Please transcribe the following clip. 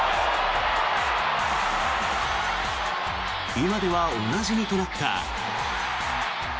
今ではおなじみとなった。